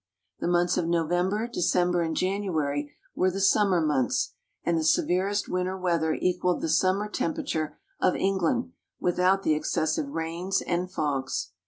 The months of November, December and January were the summer months, and the severest winter weather equaled the summer temperature of England, vrithout the excessive rains and fogs.